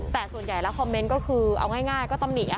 แต่ส่วนใหญ่แล้วคอมเมนต์ก็คือเอาง่ายก็ตำหนิ